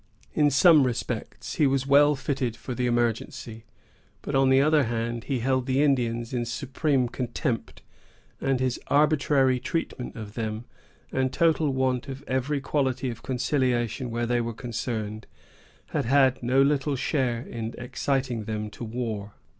In some respects he was well fitted for the emergency; but, on the other hand, he held the Indians in supreme contempt, and his arbitrary treatment of them and total want of every quality of conciliation where they were concerned, had had no little share in exciting them to war.